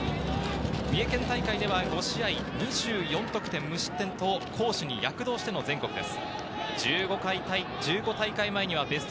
三重県大会では５試合２４得点、無失点と攻守に躍動しての全国です。